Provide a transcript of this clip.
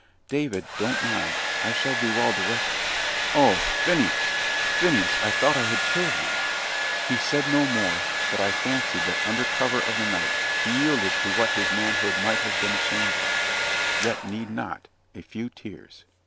"David, don't mind. I shall be well directly." "Oh! Phineas Phineas; I thought I had killed you." He said no more; but I fancied that under cover of the night he yielded to what his manhood might have been ashamed of yet need not a few tears.